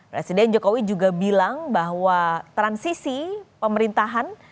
presiden jokowi juga bilang bahwa transisi pemerintahan